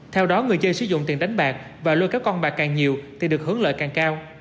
theo đó người chơi sử dụng tiền đánh bạc và lôi kéo con bạc càng nhiều thì được hướng lợi càng cao